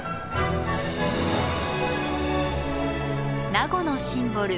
名護のシンボル